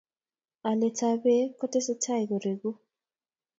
alyet ab peek kotesetai koregu